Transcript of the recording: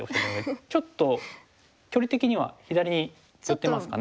ちょっと距離的には左に寄ってますかね。